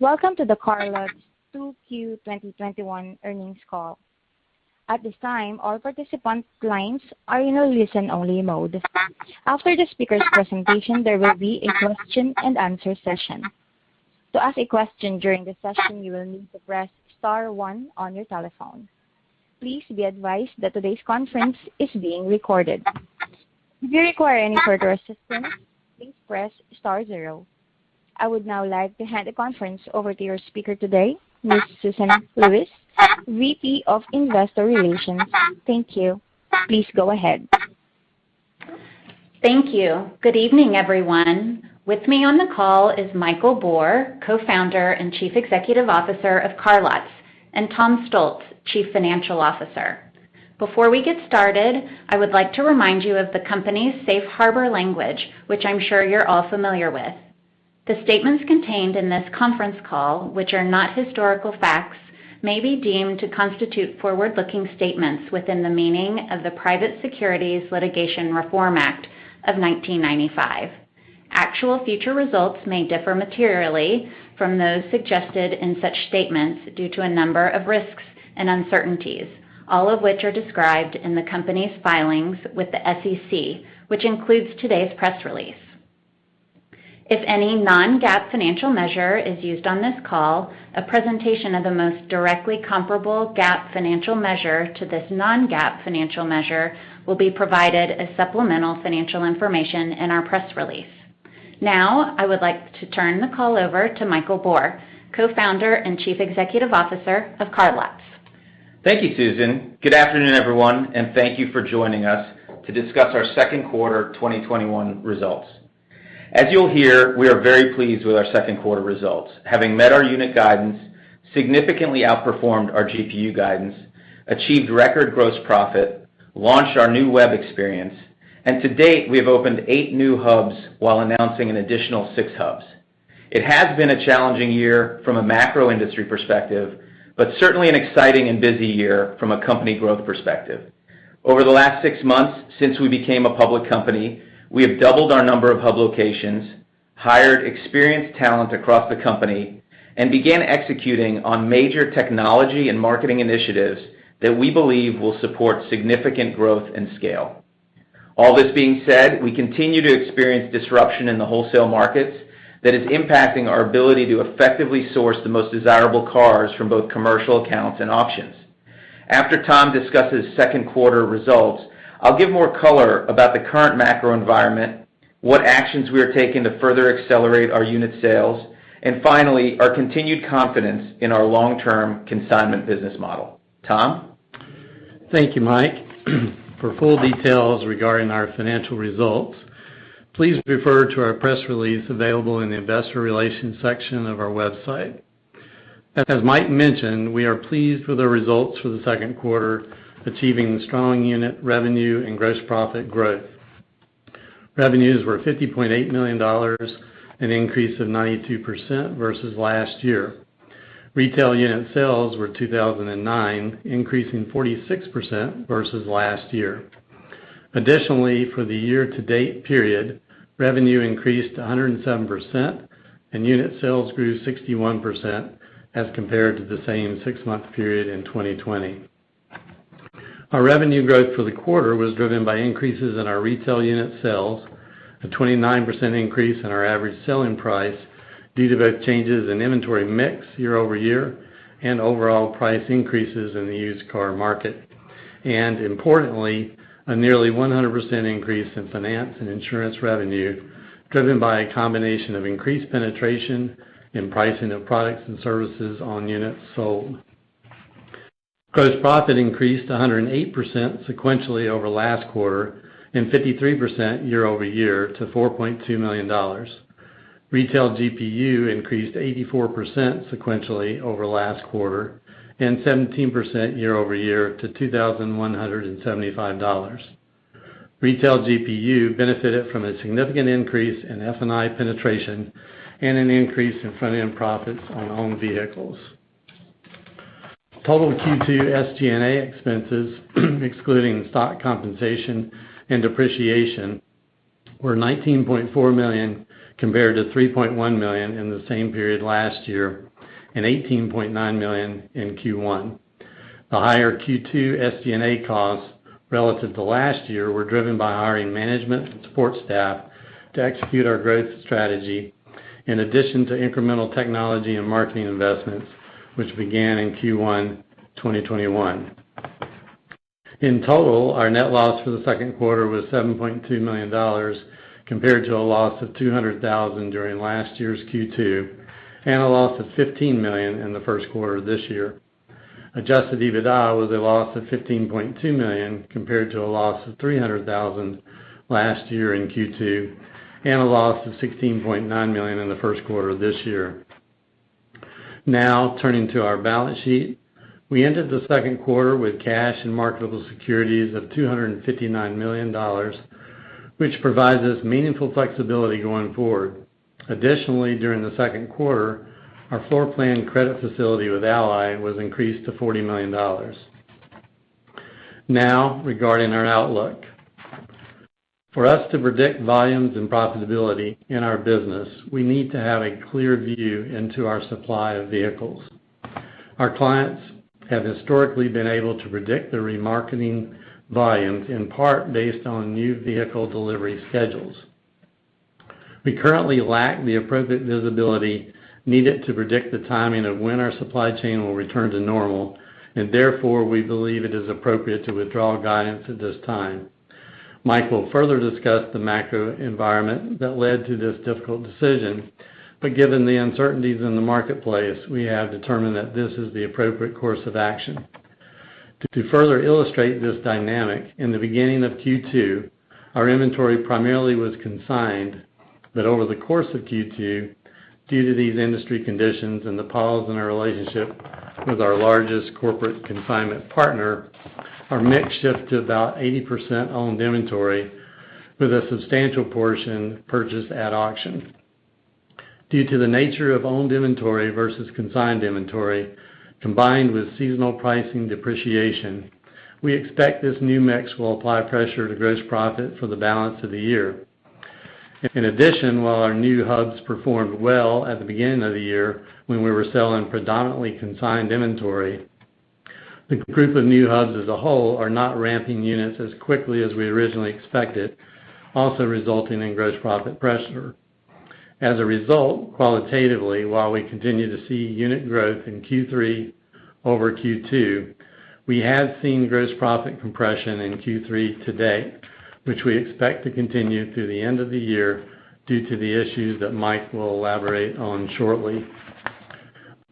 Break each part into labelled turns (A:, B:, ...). A: Welcome to the CarLotz 2Q 2021 earnings call. At this time, all participants' lines are in a listen only mode. After the speaker's presentation, there will be a question and answer session. To ask a question during the session, you will need to press star one on your telephone. Please be advised that today's conference is being recorded. If you require any further assistance, please press star zero. I would now like to hand the conference over to your speaker today, Ms. Susan Lewis, VP of Investor Relations. Thank you. Please go ahead.
B: Thank you. Good evening, everyone. With me on the call is Michael Bor, Co-Founder and Chief Executive Officer of CarLotz, and Tom Stoltz, Chief Financial Officer. Before we get started, I would like to remind you of the company's safe harbor language, which I'm sure you're all familiar with. The statements contained in this conference call, which are not historical facts, may be deemed to constitute forward-looking statements within the meaning of the Private Securities Litigation Reform Act of 1995. Actual future results may differ materially from those suggested in such statements due to a number of risks and uncertainties, all of which are described in the company's filings with the SEC, which includes today's press release. If any non-GAAP financial measure is used on this call, a presentation of the most directly comparable GAAP financial measure to this non-GAAP financial measure will be provided as supplemental financial information in our press release. Now, I would like to turn the call over to Michael Bor, Co-Founder and Chief Executive Officer of CarLotz.
C: Thank you, Susan. Good afternoon, everyone, and thank you for joining us to discuss our Q2 2021 results. As you'll hear, we are very pleased with our Q2 results. Having met our unit guidance, significantly outperformed our GPU guidance, achieved record gross profit, launched our new web experience, and to date, we have opened eight new hubs while announcing an additional six hubs. It has been a challenging year from a macro industry perspective, but certainly an exciting and busy year from a company growth perspective. Over the last six months since we became a public company, we have doubled our number of hub locations, hired experienced talent across the company, and began executing on major technology and marketing initiatives that we believe will support significant growth and scale. All this being said, we continue to experience disruption in the wholesale markets that is impacting our ability to effectively source the most desirable cars from both commercial accounts and auctions. After Tom discusses second quarter results, I'll give more color about the current macro environment, what actions we are taking to further accelerate our unit sales, and finally, our continued confidence in our long-term consignment business model. Tom?
D: Thank you, Mike. For full details regarding our financial results, please refer to our press release available in the investor relations section of our website. As Mike mentioned, we are pleased with the results for the second quarter, achieving strong unit revenue and gross profit growth. Revenues were $50.8 million, an increase of 92% versus last year. Retail unit sales were 2,009, increasing 46% versus last year. Additionally, for the year-to-date period, revenue increased to 107% and unit sales grew 61% as compared to the same six-month period in 2020. Our revenue growth for the quarter was driven by increases in our retail unit sales, a 29% increase in our average selling price due to both changes in inventory mix year-over-year and overall price increases in the used car market. Importantly, a nearly 100% increase in finance and insurance revenue driven by a combination of increased penetration in pricing of products and services on units sold. Gross profit increased 108% sequentially over last quarter and 53% year-over-year to $4.2 million. Retail GPU increased 84% sequentially over last quarter and 17% year-over-year to $2,175. Retail GPU benefited from a significant increase in F&I penetration and an increase in front-end profits on owned vehicles. Total Q2 SG&A expenses, excluding stock compensation and depreciation, were $19.4 million compared to $3.1 million in the same period last year, and $18.9 million in Q1. The higher Q2 SG&A costs relative to last year were driven by hiring management and support staff to execute our growth strategy, in addition to incremental technology and marketing investments, which began in Q1 2021. In total, our net loss for the second quarter was $7.2 million compared to a loss of $200,000 during last year's Q2, and a loss of $15 million in the first quarter of this year. Adjusted EBITDA was a loss of $15.2 million compared to a loss of $300,000 last year in Q2, and a loss of $16.9 million in the first quarter of this year. Turning to our balance sheet. We ended the second quarter with cash and marketable securities of $259 million, which provides us meaningful flexibility going forward. Additionally, during the second quarter, our floor plan credit facility with Ally was increased to $40 million. Regarding our outlook. For us to predict volumes and profitability in our business, we need to have a clear view into our supply of vehicles. Our clients have historically been able to predict their remarketing volumes, in part based on new vehicle delivery schedules. We currently lack the appropriate visibility needed to predict the timing of when our supply chain will return to normal. Therefore, we believe it is appropriate to withdraw guidance at this time. Mike will further discuss the macro environment that led to this difficult decision. Given the uncertainties in the marketplace, we have determined that this is the appropriate course of action. To further illustrate this dynamic, in the beginning of Q2, our inventory primarily was consigned, but over the course of Q2, due to these industry conditions and the pause in our relationship with our largest corporate consignment partner, our mix shifted to about 80% owned inventory, with a substantial portion purchased at auction. Due to the nature of owned inventory versus consigned inventory, combined with seasonal pricing depreciation, we expect this new mix will apply pressure to gross profit for the balance of the year. In addition, while our new hubs performed well at the beginning of the year, when we were selling predominantly consigned inventory, the group of new hubs as a whole are not ramping units as quickly as we originally expected, also resulting in gross profit pressure. As a result, qualitatively, while we continue to see unit growth in Q3 over Q2, we have seen gross profit compression in Q3 to date, which we expect to continue through the end of the year due to the issues that Mike will elaborate on shortly.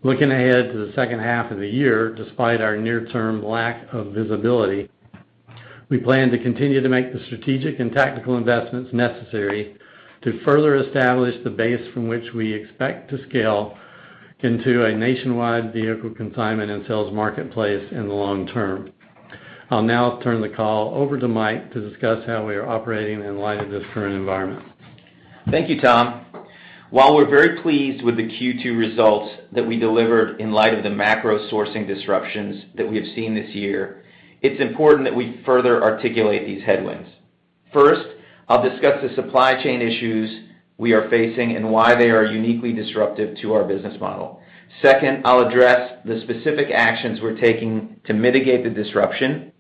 D: Looking ahead to the second half of the year, despite our near-term lack of visibility, we plan to continue to make the strategic and tactical investments necessary to further establish the base from which we expect to scale into a nationwide vehicle consignment and sales marketplace in the long term. I'll now turn the call over to Mike to discuss how we are operating in light of this current environment.
C: Thank you, Tom. While we're very pleased with the Q2 results that we delivered in light of the macro sourcing disruptions that we have seen this year, it's important that we further articulate these headwinds. First, I'll discuss the supply chain issues we are facing and why they are uniquely disruptive to our business model. Second, I'll address the specific actions we're taking to mitigate the disruption.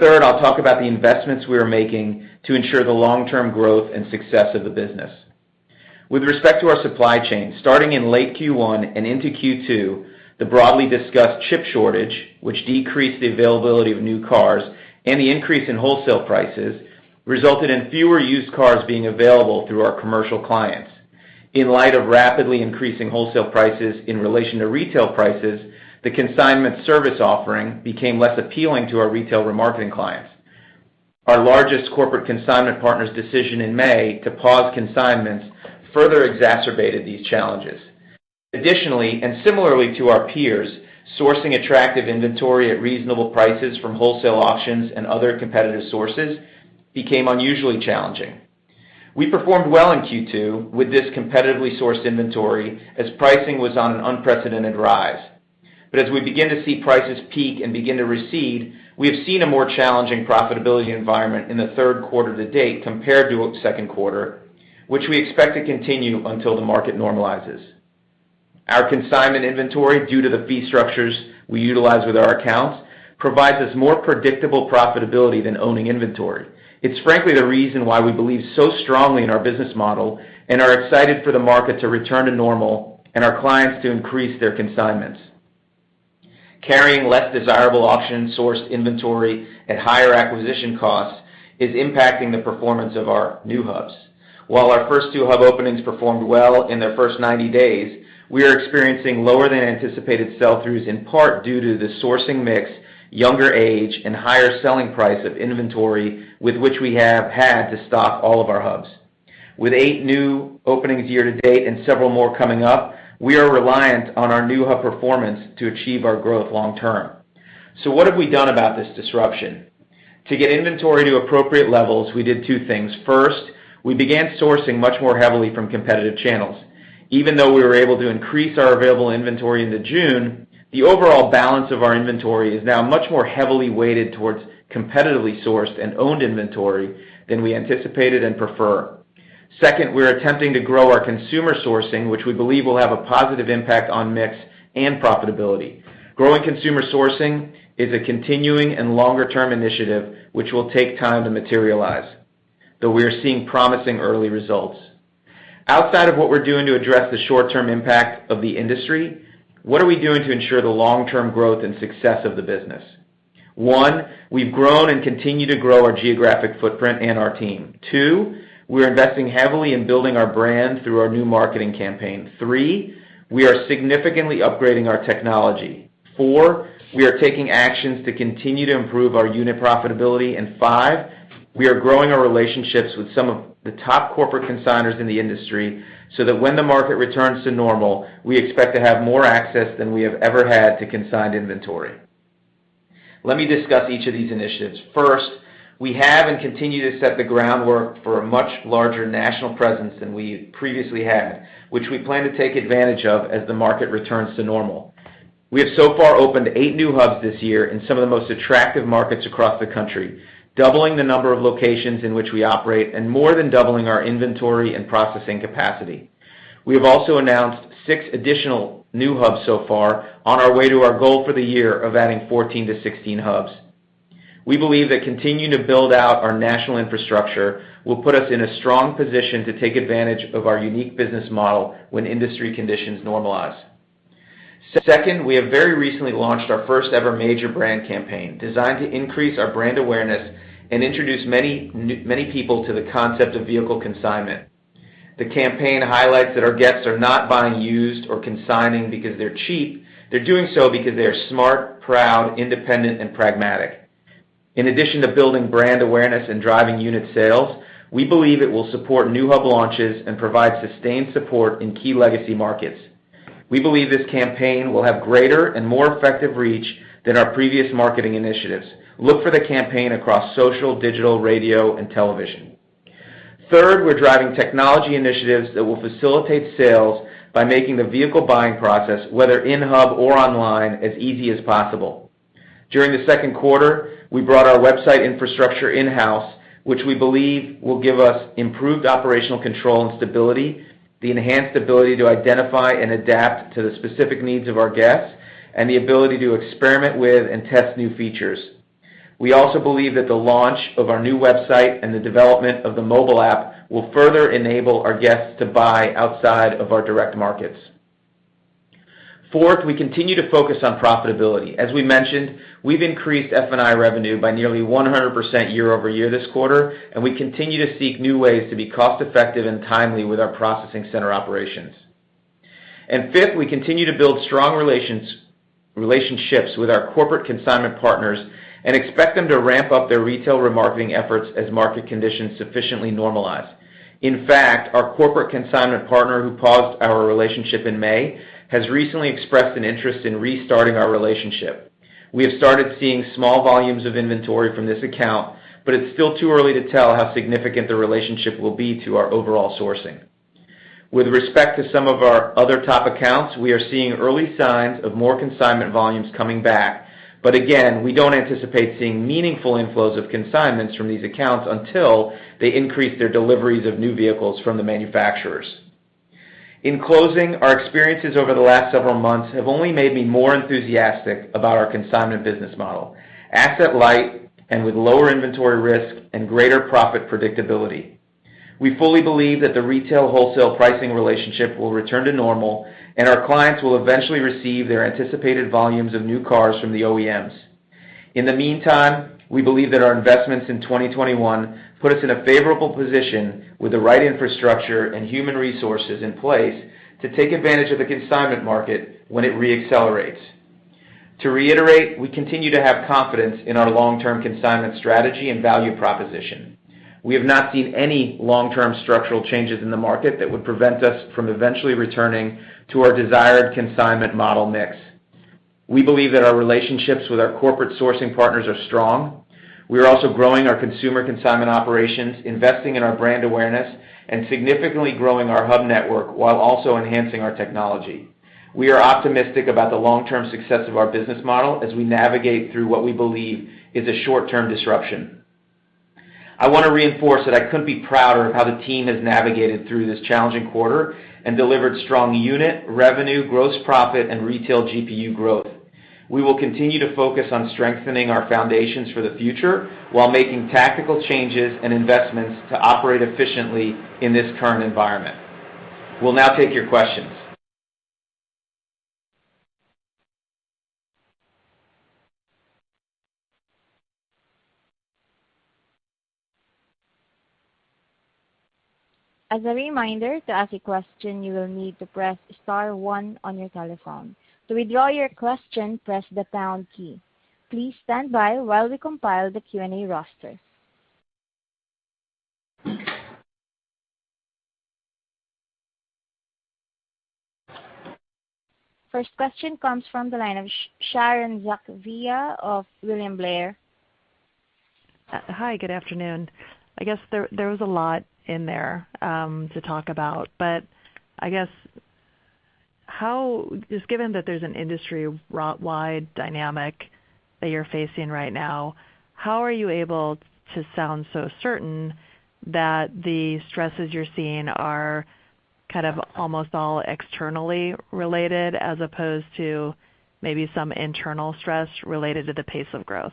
C: Third, I'll talk about the investments we are making to ensure the long-term growth and success of the business. With respect to our supply chain, starting in late Q1 and into Q2, the broadly discussed chip shortage, which decreased the availability of new cars, and the increase in wholesale prices resulted in fewer used cars being available through our commercial clients. In light of rapidly increasing wholesale prices in relation to retail prices, the consignment service offering became less appealing to our retail remarketing clients. Our largest corporate consignment partner's decision in May to pause consignments further exacerbated these challenges. Additionally, and similarly to our peers, sourcing attractive inventory at reasonable prices from wholesale auctions and other competitive sources became unusually challenging. We performed well in Q2 with this competitively sourced inventory as pricing was on an unprecedented rise. As we begin to see prices peak and begin to recede, we have seen a more challenging profitability environment in the third quarter to date compared to second quarter, which we expect to continue until the market normalizes. Our consignment inventory, due to the fee structures we utilize with our accounts, provides us more predictable profitability than owning inventory. It's frankly the reason why we believe so strongly in our business model and are excited for the market to return to normal and our clients to increase their consignments. Carrying less desirable auction-sourced inventory at higher acquisition costs is impacting the performance of our new hubs. While our first two hub openings performed well in their first 90 days, we are experiencing lower than anticipated sell-throughs, in part due to the sourcing mix, younger age, and higher selling price of inventory with which we have had to stock all of our hubs. With eight new openings year to date and several more coming up, we are reliant on our new hub performance to achieve our growth long term. What have we done about this disruption? To get inventory to appropriate levels, we did two things. First, we began sourcing much more heavily from competitive channels. Even though we were able to increase our available inventory into June, the overall balance of our inventory is now much more heavily weighted towards competitively sourced and owned inventory than we anticipated and prefer. Second, we're attempting to grow our consumer sourcing, which we believe will have a positive impact on mix and profitability. Growing consumer sourcing is a continuing and longer-term initiative, which will take time to materialize, though we are seeing promising early results. Outside of what we're doing to address the short-term impact of the industry, what are we doing to ensure the long-term growth and success of the business? One, we've grown and continue to grow our geographic footprint and our team. Two, we're investing heavily in building our brand through our new marketing campaign. Three, we are significantly upgrading our technology. Four, we are taking actions to continue to improve our unit profitability. Five, we are growing our relationships with some of the top corporate consignors in the industry, so that when the market returns to normal, we expect to have more access than we have ever had to consigned inventory. Let me discuss each of these initiatives. First, we have and continue to set the groundwork for a much larger national presence than we previously had, which we plan to take advantage of as the market returns to normal. We have so far opened eight new hubs this year in some of the most attractive markets across the country, doubling the number of locations in which we operate, and more than doubling our inventory and processing capacity. We have also announced six additional new hubs so far on our way to our goal for the year of adding 14-16 hubs. We believe that continuing to build out our national infrastructure will put us in a strong position to take advantage of our unique business model when industry conditions normalize. Second, we have very recently launched our first-ever major brand campaign designed to increase our brand awareness and introduce many people to the concept of vehicle consignment. The campaign highlights that our guests are not buying used or consigning because they're cheap. They're doing so because they are smart, proud, independent, and pragmatic. In addition to building brand awareness and driving unit sales, we believe it will support new hub launches and provide sustained support in key legacy markets. We believe this campaign will have a greater and more effective reach than our previous marketing initiatives. Look for the campaign across social, digital, radio, and television. Third, we're driving technology initiatives that will facilitate sales by making the vehicle buying process, whether in-hub or online, as easy as possible. During the second quarter, we brought our website infrastructure in-house, which we believe will give us improved operational control and stability, the enhanced ability to identify and adapt to the specific needs of our guests, and the ability to experiment with and test new features. We also believe that the launch of our new website and the development of the mobile app will further enable our guests to buy outside of our direct markets. Fourth, we continue to focus on profitability. As we mentioned, we've increased F&I revenue by nearly 100% year-over-year this quarter, and we continue to seek new ways to be cost-effective and timely with our processing center operations. Fifth, we continue to build strong relationships with our corporate consignment partners and expect them to ramp up their retail remarketing efforts as market conditions sufficiently normalize. In fact, our corporate consignment partner who paused our relationship in May, has recently expressed an interest in restarting our relationship. We have started seeing small volumes of inventory from this account, but it's still too early to tell how significant the relationship will be to our overall sourcing. With respect to some of our other top accounts, we are seeing early signs of more consignment volumes coming back. Again, we don't anticipate seeing meaningful inflows of consignments from these accounts until they increase their deliveries of new vehicles from the manufacturers. In closing, our experiences over the last several months have only made me more enthusiastic about our consignment business model. Asset-light, and with lower inventory risk and greater profit predictability. We fully believe that the retail wholesale pricing relationship will return to normal, and our clients will eventually receive their anticipated volumes of new cars from the OEMs. In the meantime, we believe that our investments in 2021 put us in a favorable position with the right infrastructure and human resources in place to take advantage of the consignment market when it re-accelerates. To reiterate, we continue to have confidence in our long-term consignment strategy and value proposition. We have not seen any long-term structural changes in the market that would prevent us from eventually returning to our desired consignment model mix. We believe that our relationships with our corporate sourcing partners are strong. We are also growing our consumer consignment operations, investing in our brand awareness, and significantly growing our hub network while also enhancing our technology. We are optimistic about the long-term success of our business model as we navigate through what we believe is a short-term disruption. I want to reinforce that I couldn't be prouder of how the team has navigated through this challenging quarter and delivered strong unit, revenue, gross profit, and retail GPU growth. We will continue to focus on strengthening our foundations for the future while making tactical changes and investments to operate efficiently in this current environment. We'll now take your questions.
A: As a reminder, to ask a question, you will need to press star one on your telephone. To withdraw your question, press the pound key. Please stand by while we compile the Q&A roster. First question comes from the line of Sharon Zackfia of William Blair.
E: Hi, good afternoon. I guess there was a lot in there to talk about. I guess, just given that there's an industry-wide dynamic that you're facing right now, how are you able to sound so certain that the stresses you're seeing are kind of almost all externally related, as opposed to maybe some internal stress related to the pace of growth?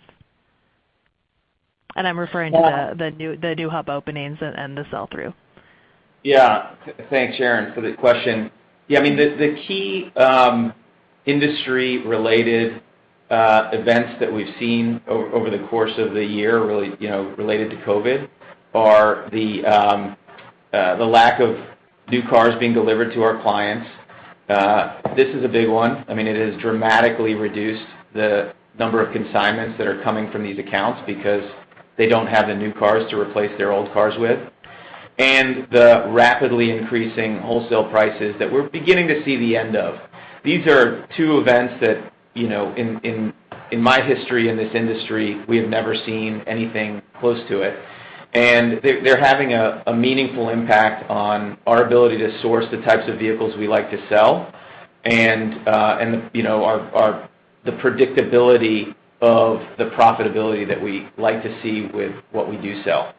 E: I'm referring to the new hub openings and the sell-through.
C: Yeah. Thanks, Sharon, for the question. Yeah, the key industry-related events that we've seen over the course of the year related to COVID are the lack of new cars being delivered to our clients. This is a big one. It has dramatically reduced the number of consignments that are coming from these accounts because they don't have the new cars to replace their old cars with. The rapidly increasing wholesale prices that we're beginning to see the end of. These are two events that, in my history in this industry, we have never seen anything close to it. They're having a meaningful impact on our ability to source the types of vehicles we like to sell and the predictability of the profitability that we like to see with what we do sell.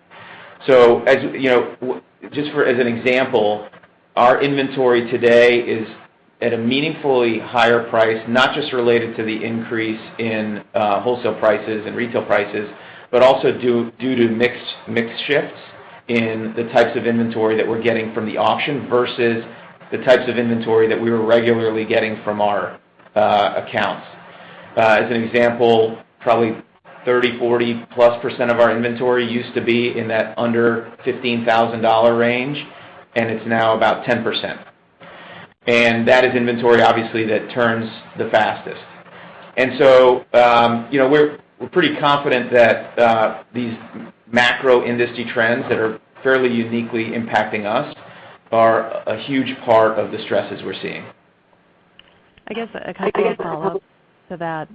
C: Just as an example, our inventory today is at a meaningfully higher price, not just related to the increase in wholesale prices and retail prices, but also due to mix shifts in the types of inventory that we're getting from the auction versus the types of inventory that we were regularly getting from our accounts. As an example, probably 30%, 40% plus of our inventory used to be in that under $15,000 range, and it's now about 10%. That is inventory, obviously, that turns the fastest. We're pretty confident that these macro industry trends that are fairly uniquely impacting us are a huge part of the stresses we're seeing.
E: I guess a kind of a follow-up to that.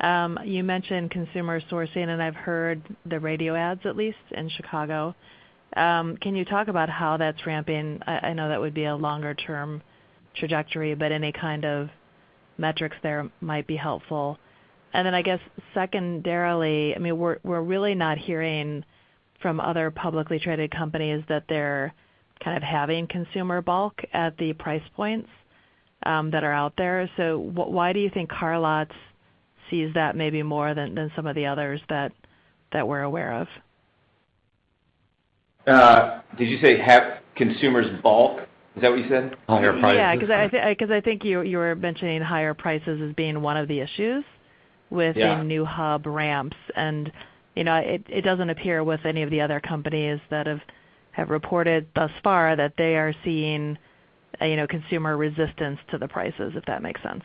E: You mentioned consumer sourcing, and I've heard the radio ads, at least in Chicago. Can you talk about how that's ramping? I know that would be a longer-term trajectory, but any kind of metrics there might be helpful. I guess secondarily, we're really not hearing from other publicly-traded companies that they're kind of having consumer balk at the price points that are out there. Why do you think CarLotz sees that maybe more than some of the others that we're aware of?
C: Did you say consumers balk? Is that what you said?
E: Yeah, I think you were mentioning higher prices as being one of the issues.
C: Yeah.
E: New hub ramps. It doesn't appear with any of the other companies that have reported thus far that they are seeing consumer resistance to the prices, if that makes sense?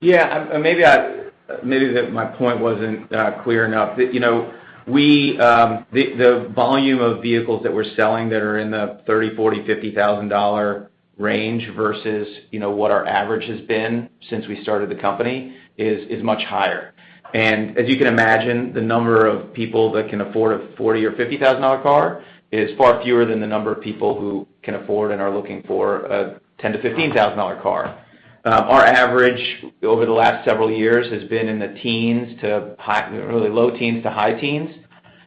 C: Yeah. Maybe my point wasn't clear enough. The volume of vehicles that we're selling that are in the $30,000, $40,000, $50,000 range versus what our average has been since we started CarLotz is much higher. As you can imagine, the number of people that can afford a $40,000 or $50,000 car is far fewer than the number of people who can afford and are looking for a $10,000-$15,000 car. Our average over the last several years has been in the really low teens to high teens.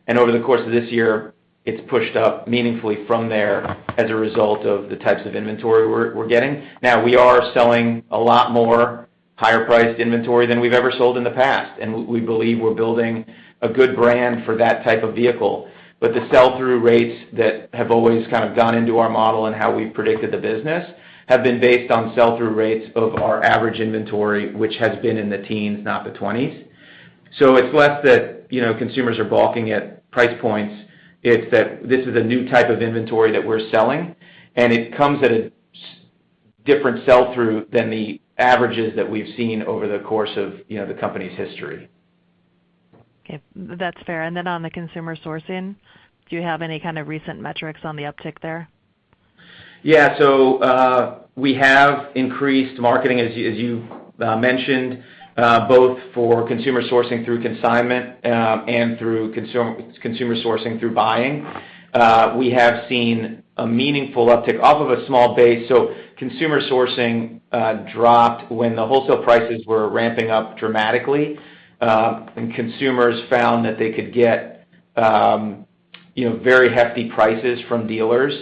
C: Over the course of this year, it's pushed up meaningfully from there as a result of the types of inventory we're getting. Now, we are selling a lot more higher-priced inventory than we've ever sold in the past, and we believe we're building a good brand for that type of vehicle. The sell-through rates that have always kind of gone into our model and how we've predicted the business have been based on sell-through rates of our average inventory, which has been in the teens, not the 20s. It's less that consumers are balking at price points. It's that this is a new type of inventory that we're selling, and it comes at a different sell-through than the averages that we've seen over the course of the company's history.
E: Okay. That's fair. On the consumer sourcing, do you have any kind of recent metrics on the uptick there?
C: We have increased marketing, as you mentioned, both for consumer sourcing through consignment and through consumer sourcing through buying. We have seen a meaningful uptick off of a small base. Consumer sourcing dropped when the wholesale prices were ramping up dramatically, and consumers found that they could get very hefty prices from dealers.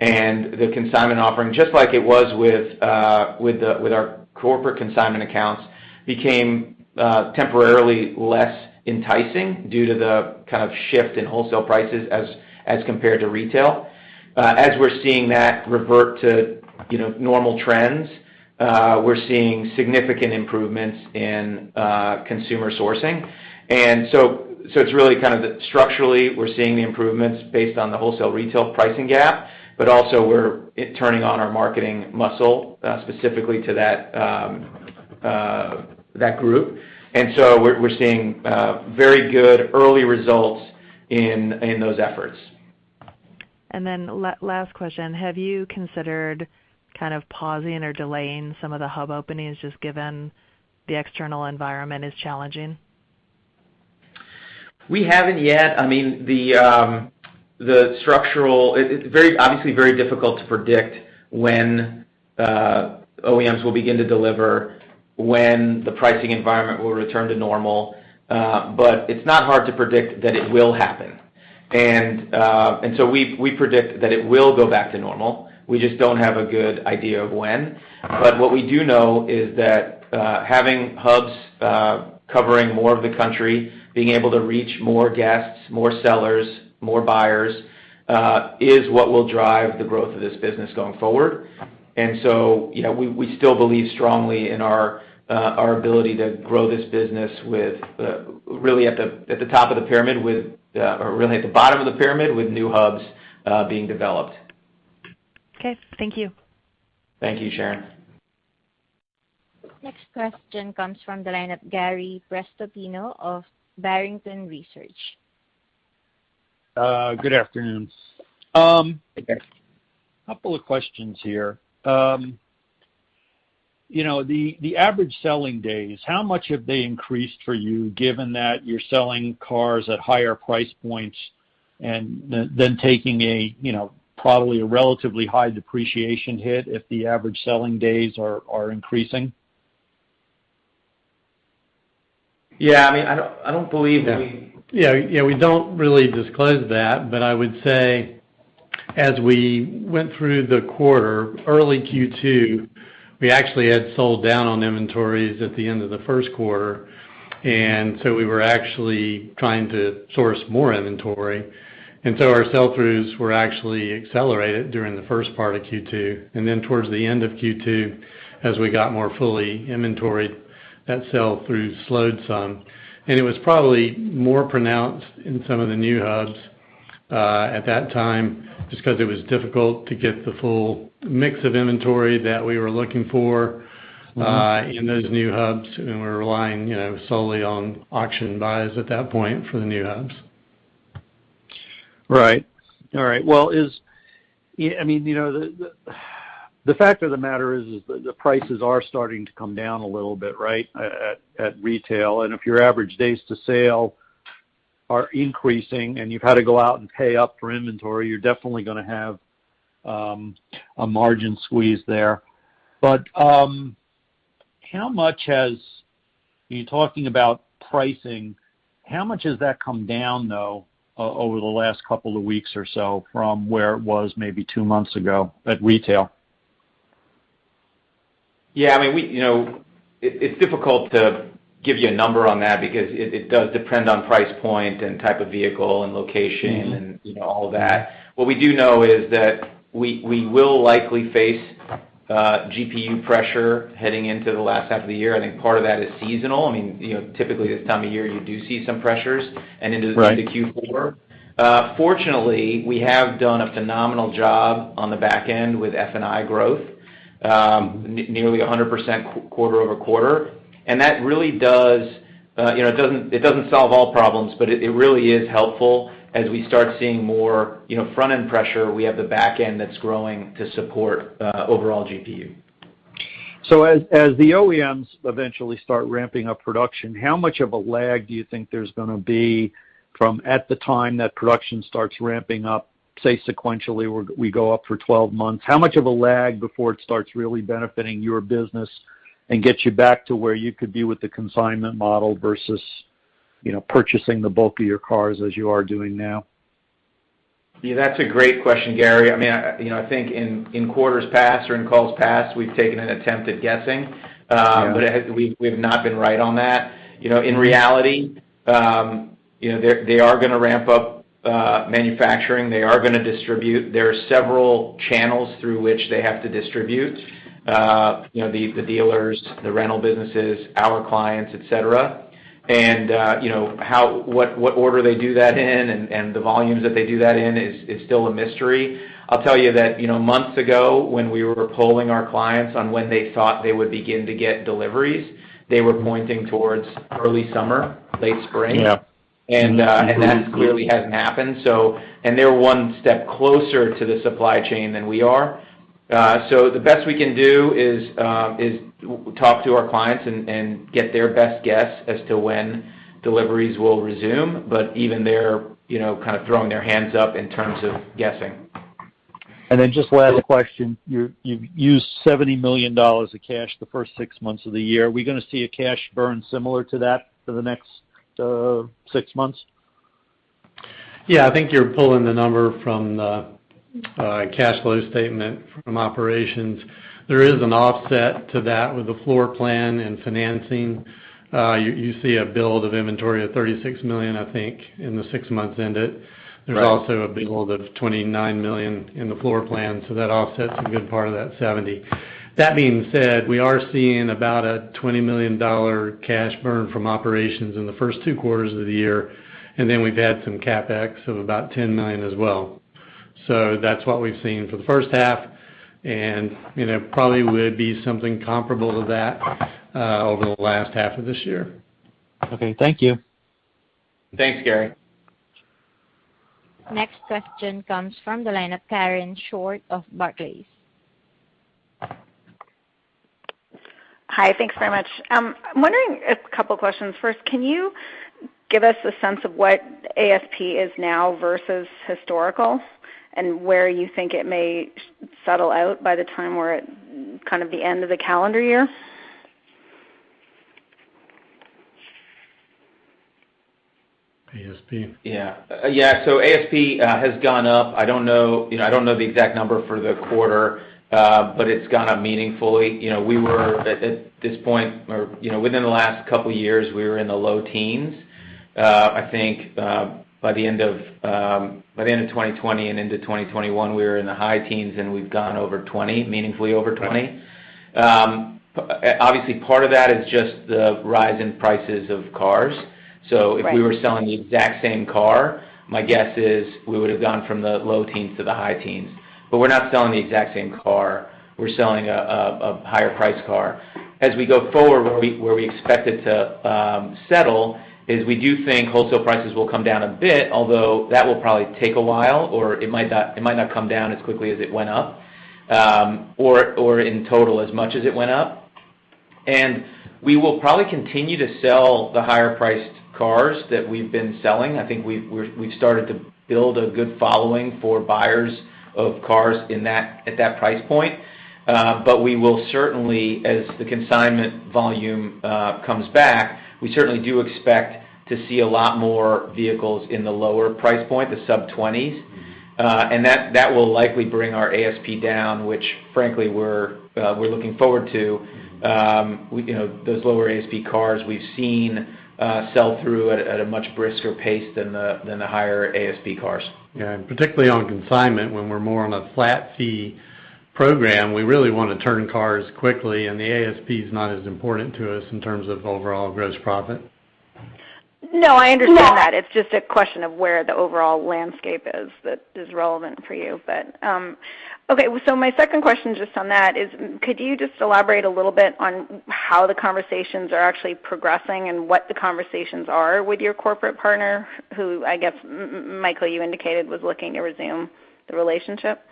C: The consignment offering, just like it was with our corporate consignment accounts, became temporarily less enticing due to the kind of shift in wholesale prices as compared to retail. As we're seeing that revert to normal trends, we're seeing significant improvements in consumer sourcing. It's really kind of structurally, we're seeing the improvements based on the wholesale retail pricing gap, but also we're turning on our marketing muscle, specifically to that group. We're seeing very good early results in those efforts.
E: Last question. Have you considered kind of pausing or delaying some of the hub openings, just given the external environment is challenging?
C: We haven't yet. It's obviously very difficult to predict when OEMs will begin to deliver, when the pricing environment will return to normal. It's not hard to predict that it will happen. We predict that it will go back to normal. We just don't have a good idea of when. What we do know is that having hubs covering more of the country, being able to reach more guests, more sellers, more buyers, is what will drive the growth of this business going forward. We still believe strongly in our ability to grow this business with really at the bottom of the pyramid with new hubs being developed.
E: Okay. Thank you.
C: Thank you, Sharon.
A: Next question comes from the line of Gary Prestopino of Barrington Research.
F: Good afternoon.
C: Hey, Gary.
F: Couple of questions here. The average selling days, how much have they increased for you, given that you're selling cars at higher price points and then taking probably a relatively high depreciation hit if the average selling days are increasing?
C: Yeah, I don't believe that.
D: Yeah. We don't really disclose that, but I would say as we went through the quarter, early Q2, we actually had sold down on inventories at the end of the first quarter. We were actually trying to source more inventory. Our sell-throughs were actually accelerated during the first part of Q2. Towards the end of Q2, as we got more fully inventoried, that sell-through slowed some. It was probably more pronounced in some of the new hubs, at that time, just because it was difficult to get the full mix of inventory that we were looking for. In those new hubs, we were relying solely on auction buys at that point for the new hubs.
F: Right. All right. Well, the fact of the matter is that the prices are starting to come down a little bit, right, at retail. If your average days to sale are increasing and you've had to go out and pay up for inventory, you're definitely going to have a margin squeeze there. You're talking about pricing. How much has that come down, though, over the last couple of weeks or so from where it was maybe two months ago at retail?
C: Yeah. It's difficult to give you a number on that because it does depend on price point and type of vehicle and location and all of that. What we do know is that we will likely face GPU pressure heading into the last half of the year. I think part of that is seasonal. Typically, this time of year, you do see some pressures.
F: Right.
C: Into Q4. Fortunately, we have done a phenomenal job on the back end with F&I growth, nearly 100% quarter-over-quarter. It doesn't solve all problems, but it really is helpful as we start seeing more front-end pressure, we have the back end that's growing to support overall GPU.
F: As the OEMs eventually start ramping up production, how much of a lag do you think there's going to be from at the time that production starts ramping up, say sequentially, we go up for 12 months? How much of a lag before it starts really benefiting your business and gets you back to where you could be with the consignment model versus purchasing the bulk of your cars as you are doing now?
C: Yeah, that's a great question, Gary. I think in quarters past or in calls past, we've taken an attempt at guessing.
F: Yeah.
C: We've not been right on that. In reality, they are going to ramp up manufacturing. They are going to distribute. There are several channels through which they have to distribute. The dealers, the rental businesses, our clients, et cetera. What order they do that in and the volumes that they do that in is still a mystery. I'll tell you that months ago, when we were polling our clients on when they thought they would begin to get deliveries, they were pointing towards early summer, late spring.
F: Yeah.
C: That clearly hasn't happened. They're one step closer to the supply chain than we are. The best we can do is talk to our clients and get their best guess as to when deliveries will resume. Even they're kind of throwing their hands up in terms of guessing.
F: Just last question. You've used $70 million of cash the first six months of the year. Are we going to see a cash burn similar to that for the next six months?
D: Yeah, I think you're pulling the number from the cash flow statement from operations. There is an offset to that with the floor plan and financing. You see a build of inventory of $36 million, I think, in the six months ended.
F: Right.
D: There's also a build of $29 million in the floor plan, that offsets a good part of that $70 million. That being said, we are seeing about a $20 million cash burn from operations in the first two quarters of the year, we've had some CapEx of about $10 million as well. That's what we've seen for the first half, it probably would be something comparable to that, over the last half of this year.
F: Okay. Thank you.
C: Thanks, Gary.
A: Next question comes from the line of Karen Short of Barclays.
G: Hi. Thanks very much. I'm wondering a couple questions. First, can you give us a sense of what ASP is now versus historical, and where you think it may settle out by the time we're at kind of the end of the calendar year?
D: ASP.
C: Yeah. ASP has gone up. I don't know the exact number for the quarter, but it's gone up meaningfully. At this point or within the last couple years, we were in the low teens. I think, by the end of 2020 and into 2021, we were in the high teens, and we've gone over 20, meaningfully over 20.
G: Right.
C: Obviously, part of that is just the rise in prices of cars. If we were selling the exact same car, my guess is we would have gone from the low teens to the high teens. We're not selling the exact same car. We're selling a higher priced car. As we go forward, where we expect it to settle is we do think wholesale prices will come down a bit, although that will probably take a while, or it might not come down as quickly as it went up, or in total as much as it went up. We will probably continue to sell the higher priced cars that we've been selling. I think we've started to build a good following for buyers of cars at that price point. We will certainly, as the consignment volume comes back, we certainly do expect to see a lot more vehicles in the lower price point, the sub-20s. That will likely bring our ASP down, which frankly, we're looking forward to. Those lower ASP cars we've seen sell through at a much brisker pace than the higher ASP cars.
D: Yeah. Particularly on consignment, when we're more on a flat fee program, we really want to turn cars quickly, and the ASP is not as important to us in terms of overall gross profit.
G: No, I understand that. It's just a question of where the overall landscape is that is relevant for you. Okay, my second question just on that is could you just elaborate a little bit on how the conversations are actually progressing and what the conversations are with your corporate partner, who I guess, Michael, you indicated was looking to resume the relationship?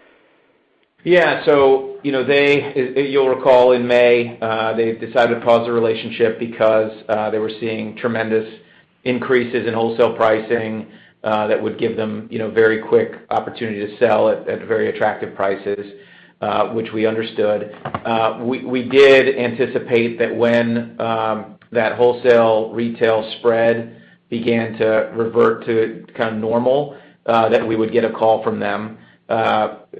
C: Yeah. You'll recall in May, they decided to pause the relationship because they were seeing tremendous increases in wholesale pricing that would give them very quick opportunity to sell at very attractive prices, which we understood. We did anticipate that when that wholesale/retail spread began to revert to kind of normal, that we would get a call from them.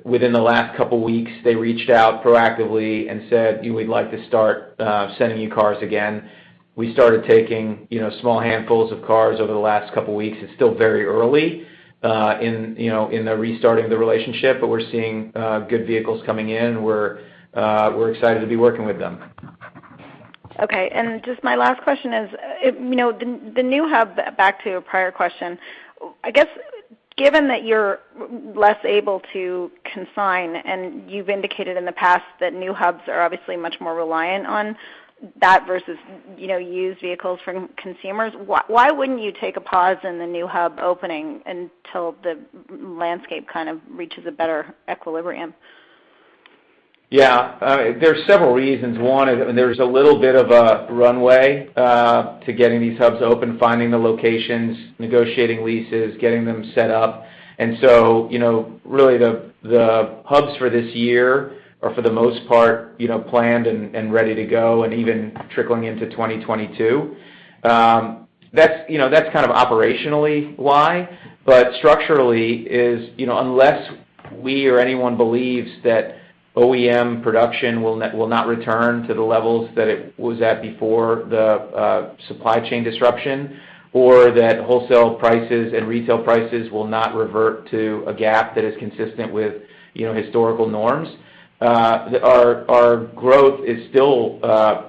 C: Within the last couple weeks, they reached out proactively and said, "We'd like to start sending you cars again." We started taking small handfuls of cars over the last couple weeks. It's still very early in the restarting the relationship, but we're seeing good vehicles coming in. We're excited to be working with them.
G: Okay. Just my last question is, the new hub, back to a prior question, I guess given that you're less able to consign and you've indicated in the past that new hubs are obviously much more reliant on that versus used vehicles from consumers, why wouldn't you take a pause in the new hub opening until the landscape kind of reaches a better equilibrium?
C: Yeah. There's several reasons. One is there's a little bit of a runway to getting these hubs open, finding the locations, negotiating leases, getting them set up. Really the hubs for this year are for the most part planned and ready to go, and even trickling into 2022. That's kind of operationally why, but structurally is, unless we or anyone believes that OEM production will not return to the levels that it was at before the supply chain disruption, or that wholesale prices and retail prices will not revert to a gap that is consistent with historical norms, our growth is still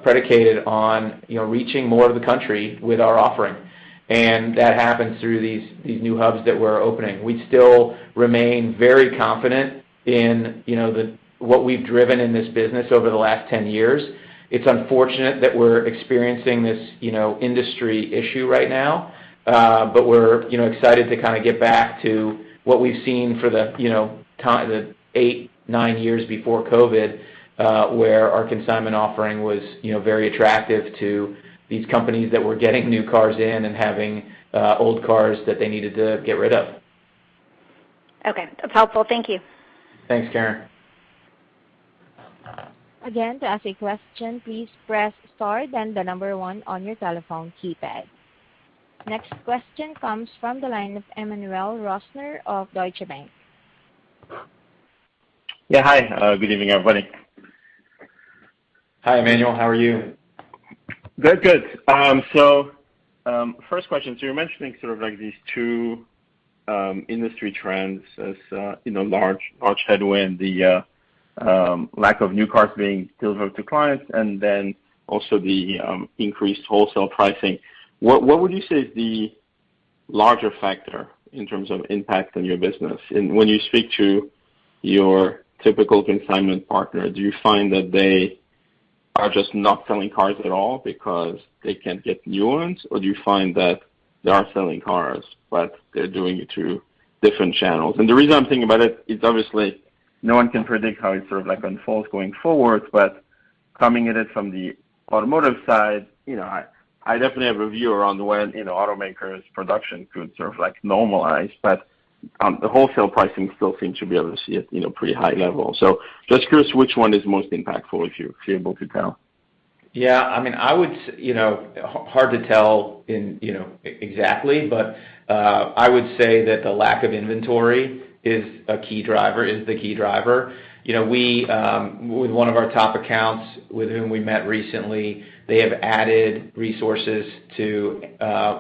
C: predicated on reaching more of the country with our offering. That happens through these new hubs that we're opening. We still remain very confident in what we've driven in this business over the last 10 years. It's unfortunate that we're experiencing this industry issue right now. We're excited to kind of get back to what we've seen for the eight, nine years before COVID, where our consignment offering was very attractive to these companies that were getting new cars in and having old cars that they needed to get rid of.
G: Okay. That's helpful. Thank you.
C: Thanks, Karen.
A: Again to ask a question, please press star then the number one on your telephone keypad. Next question comes from the line of Emmanuel Rosner of Deutsche Bank.
H: Yeah, hi. Good evening, everybody.
C: Hi, Emmanuel. How are you?
H: Good, good. First question, you're mentioning sort of like these two industry trends as large headwind, the lack of new cars being delivered to clients, and also the increased wholesale pricing. What would you say is the larger factor in terms of impact on your business? When you speak to your typical consignment partner, do you find that they are just not selling cars at all because they can't get new ones? Or do you find that they are selling cars, but they're doing it through different channels? The reason I'm thinking about it is obviously no one can predict how it sort of unfolds going forward, but coming at it from the automotive side, I definitely have a view around when automakers production could sort of normalize, but the wholesale pricing still seems to be able to see at pretty high levels. Just curious which one is most impactful, if you're able to tell.
C: Yeah. Hard to tell exactly, but I would say that the lack of inventory is the key driver. With one of our top accounts with whom we met recently, they have added resources to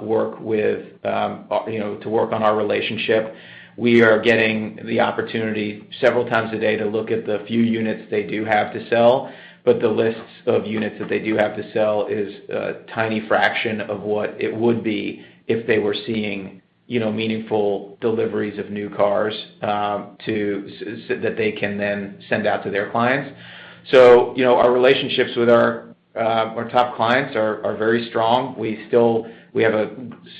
C: work on our relationship. We are getting the opportunity several times a day to look at the few units they do have to sell, but the lists of units that they do have to sell is a tiny fraction of what it would be if they were seeing meaningful deliveries of new cars that they can then send out to their clients. Our relationships with Our top clients are very strong. We have a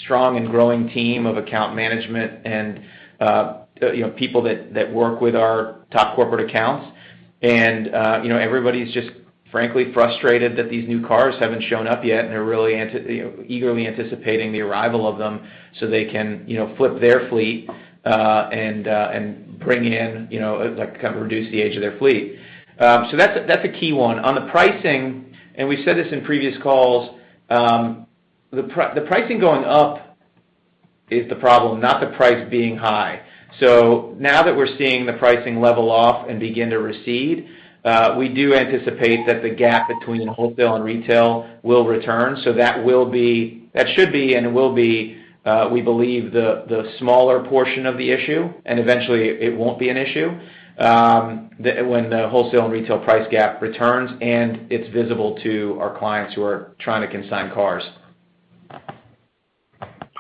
C: strong and growing team of account management and people that work with our top corporate accounts. Everybody's just frankly frustrated that these new cars haven't shown up yet, and they're really eagerly anticipating the arrival of them so they can flip their fleet and kind of reduce the age of their fleet. That's a key one. On the pricing, and we've said this in previous calls, the pricing going up is the problem, not the price being high. Now that we're seeing the pricing level off and begin to recede, we do anticipate that the gap between wholesale and retail will return. That should be, and it will be, we believe, the smaller portion of the issue, and eventually it won't be an issue when the wholesale and retail price gap returns, and it's visible to our clients who are trying to consign cars.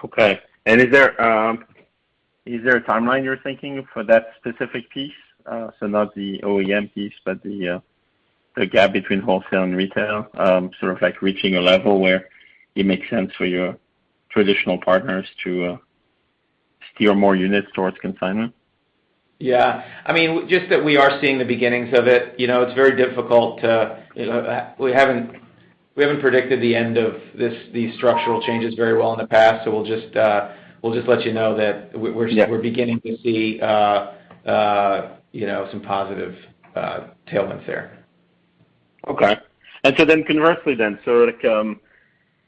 H: Okay. Is there a timeline you're thinking of for that specific piece? Not the OEM piece, but the gap between wholesale and retail, sort of reaching a level where it makes sense for your traditional partners to steer more units towards consignment?
C: Yeah. I mean, just that we are seeing the beginnings of it. It's very difficult. We haven't predicted the end of these structural changes very well in the past, so we'll just let you know.
H: Yeah.
C: Beginning to see some positive tailwinds there.
H: Okay. Conversely then, so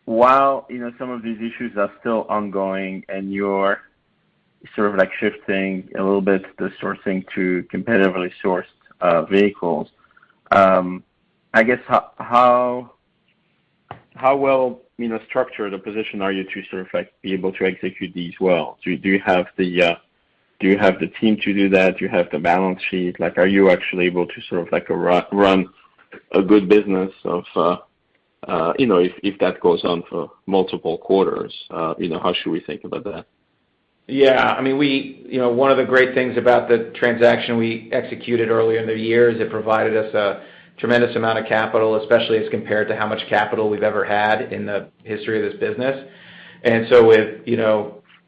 H: while some of these issues are still ongoing and you're sort of shifting a little bit the sourcing to competitively sourced vehicles, I guess how well structured a position are you to be able to execute these well? Do you have the team to do that? Do you have the balance sheet? Are you actually able to run a good business if that goes on for multiple quarters? How should we think about that?
C: Yeah. One of the great things about the transaction we executed earlier in the year is it provided us a tremendous amount of capital, especially as compared to how much capital we've ever had in the history of this business.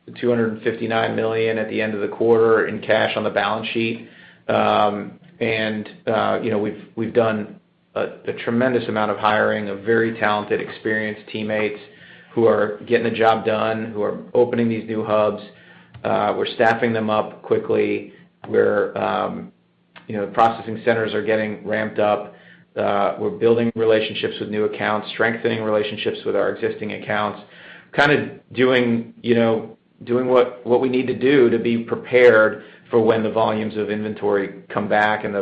C: With $259 million at the end of the quarter in cash on the balance sheet, and we've done a tremendous amount of hiring of very talented, experienced teammates who are getting the job done, who are opening these new hubs. We're staffing them up quickly. Processing centers are getting ramped up. We're building relationships with new accounts, strengthening relationships with our existing accounts, kind of doing what we need to do to be prepared for when the volumes of inventory come back and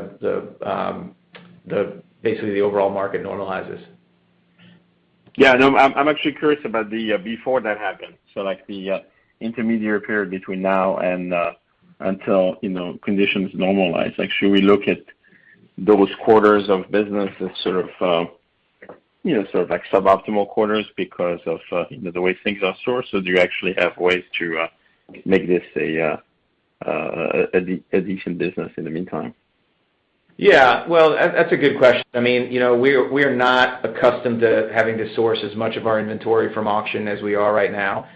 C: basically the overall market normalizes.
H: Yeah. No, I'm actually curious about before that happens. Like the intermediary period between now and until conditions normalize. Should we look at those quarters of business as sort of suboptimal quarters because of the way things are sourced? Do you actually have ways to make this a decent business in the meantime?
C: Yeah. Well, that's a good question. We are not accustomed to having to source as much of our inventory from auction as we are right now.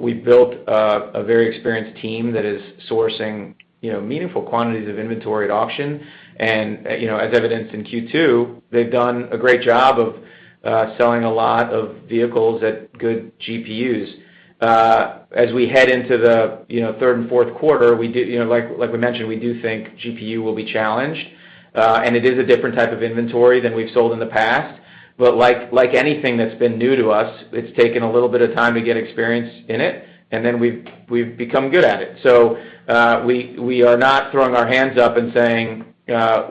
C: We built a very experienced team that is sourcing meaningful quantities of inventory at auction. As evidenced in Q2, they've done a great job of selling a lot of vehicles at good GPUs. As we head into the third and fourth quarter, like we mentioned, we do think GPU will be challenged. It is a different type of inventory than we've sold in the past. Like anything that's been new to us, it's taken a little bit of time to get experience in it, and then we've become good at it. We are not throwing our hands up and saying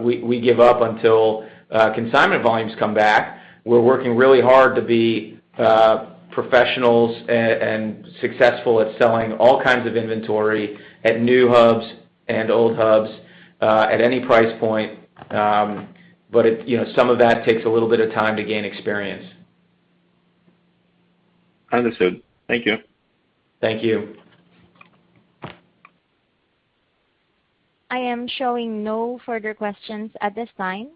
C: we give up until consignment volumes come back. We're working really hard to be professionals and successful at selling all kinds of inventory at new hubs and old hubs, at any price point. Some of that takes a little bit of time to gain experience.
H: Understood. Thank you.
C: Thank you.
A: I am showing no further questions at this time.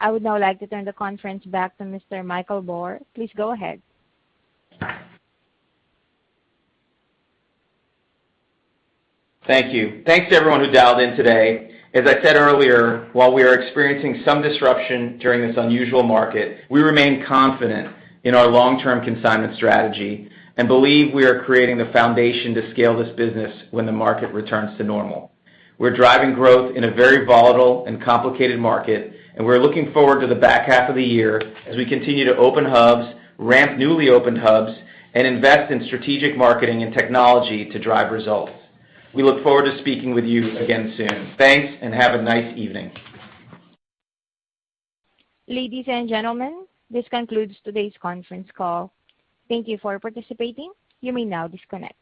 A: I would now like to turn the conference back to Mr. Michael Bor. Please go ahead.
C: Thank you. Thanks to everyone who dialed in today. As I said earlier, while we are experiencing some disruption during this unusual market, we remain confident in our long-term consignment strategy and believe we are creating the foundation to scale this business when the market returns to normal. We're driving growth in a very volatile and complicated market, and we're looking forward to the back half of the year as we continue to open hubs, ramp newly opened hubs, and invest in strategic marketing and technology to drive results. We look forward to speaking with you again soon. Thanks, and have a nice evening.
A: Ladies and gentlemen, this concludes today's conference call. Thank you for participating. You may now disconnect.